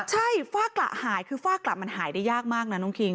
ใช่ฝ้ากระหายคือฝ้ากลับมันหายได้ยากมากนะน้องคิง